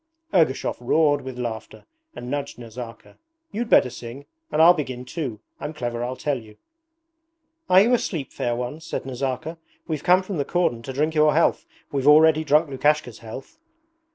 Ergushov roared with laughter and nudged Nazarka. 'You'd better sing. And I'll begin too. I'm clever, I tell you.' 'Are you asleep, fair ones?' said Nazarka. 'We've come from the cordon to drink your health. We've already drunk Lukashka's health.'